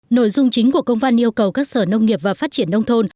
nội dung chính của công văn yêu cầu các sở nông nghiệp và phát triển nông thôn